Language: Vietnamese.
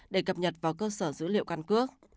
để cập nhật vào cơ sở dữ liệu căn cước